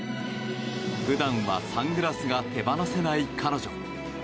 普段はサングラスが手放せない彼女。